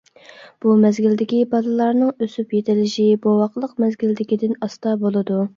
بۇ مەزگىلدىكى بالىلارنىڭ ئۆسۈپ يېتىلىشى بوۋاقلىق مەزگىلىدىكىدىن ئاستا بولىدۇ.